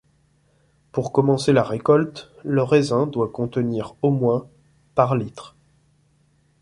Pour commencer la récolte, le raisin doit contenir au moins par litre.